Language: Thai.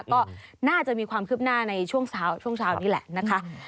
ก็น่าจะมีความคืบหน้าในช่วงเช้าช่วงเช้านี้แหละนะคะ